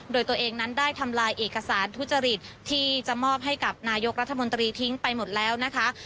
โดยตัวเองนั้นได้ทำลายเอกสารทุจริตที่จะมอบให้กับนายกรัฐมนตรีทิ้งไปหมดแล้วนะคะ